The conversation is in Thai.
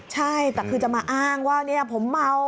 ใช่แต่คือจะมาอ้างว่าผมเมา